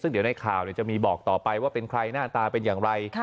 ซึ่งเดี๋ยวในข่าวจะมีบอกต่อไปว่าเป็นใครหน้าตาเป็นอย่างไร